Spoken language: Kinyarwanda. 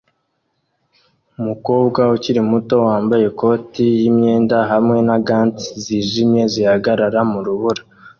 Umukobwa ukiri muto wambaye ikoti yimyenda hamwe na gants zijimye zihagarara mu rubura